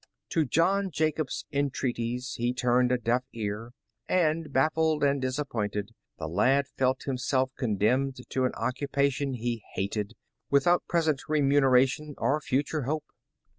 To John Jacob 's entreaties, he turned a deaf ear, and baffled and disappointed, the lad felt himself condemned to an occupation he hated, without present remuneration, or future hope.